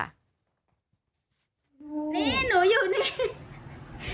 นี่หนูอยู่นี่